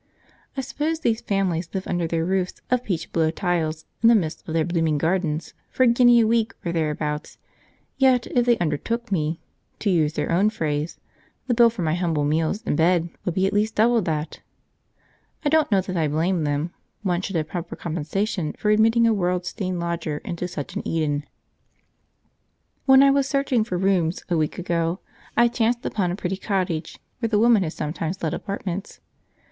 I suppose these families live under their roofs of peach blow tiles, in the midst of their blooming gardens, for a guinea a week or thereabouts; yet if they "undertook" me (to use their own phrase), the bill for my humble meals and bed would be at least double that. I don't know that I blame them; one should have proper compensation for admitting a world stained lodger into such an Eden. When I was searching for rooms a week ago, I chanced upon a pretty cottage where the woman had sometimes let apartments.